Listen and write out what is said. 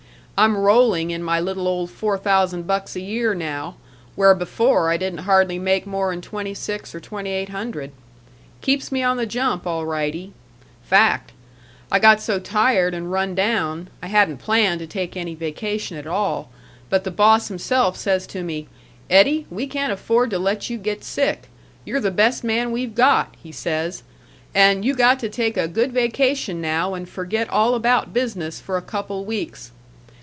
I'm rolling in my little old four thousand bucks a year now, where before I didn't hardly make more 'n twenty six or twenty eight hundred. Keeps me on the jump alrightee. Fact. I got so tired and run down I hadn't planned to take any vacation at all, but the boss himself says to me, 'Eddie, we can't afford to let you get sick; you're the best man we've got,' he says, 'and you got to take a good vacation now and forget all about business for a couple weeks.'